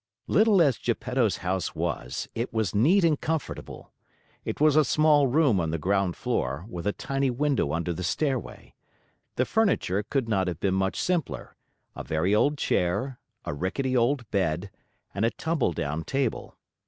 Little as Geppetto's house was, it was neat and comfortable. It was a small room on the ground floor, with a tiny window under the stairway. The furniture could not have been much simpler: a very old chair, a rickety old bed, and a tumble down table.